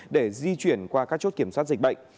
để di chuyển qua các chốt kiểm soát dịch bệnh